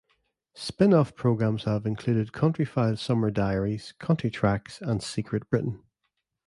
Spin-off programmes have included "Countryfile: Summer Diaries", "Country Tracks" and "Secret Britain".